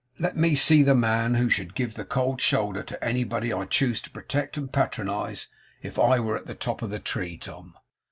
Let me see the man who should give the cold shoulder to anybody I chose to protect and patronise, if I were at the top of the tree, Tom!